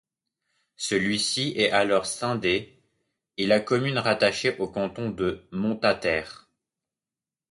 Celui-ci est alors scindé, et la commune rattachée au canton de Montataire.